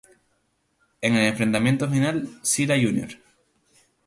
En el enfrentamiento final Zilla Jr.